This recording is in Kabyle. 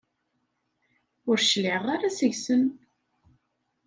Ur cliɛeɣ ara seg-sen.